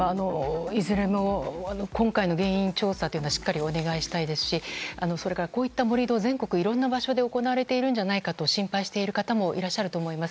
今回の原因調査ではいずれもしっかりお願いしたいですしそれから、こういった盛り土全国いろんな場所で行われているんじゃないかと心配している方もいらっしゃると思います。